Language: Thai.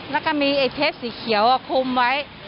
แล้วก็มีไอ้เทสสีเขียวคุมไว้